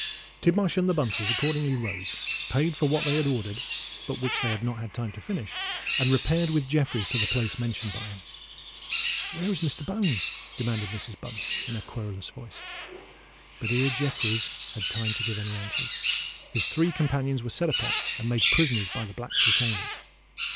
Tidmarsh and the Bunces accordingly rose, paid for what they had ordered, but which they had not time to finish, and repaired with Jeffreys to the place mentioned by him. "Where is Mr. Bones?" demanded Mrs. Bunce, in her querulous voice. But ere Jeffreys had time to give any answer, his three companions were set upon and made prisoners by the Black's retainers.